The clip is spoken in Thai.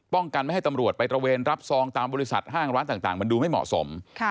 กันไม่ให้ตำรวจไปตระเวนรับซองตามบริษัทห้างร้านต่างมันดูไม่เหมาะสม